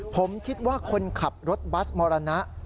ผมคิดว่าคนขับรถบัสมรณะ